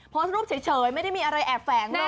โพสต์รูปเฉยไม่ได้มีอะไรแอบแฝงเลย